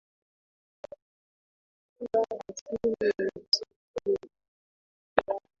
ni vya asili ni msitu mkubwa duniani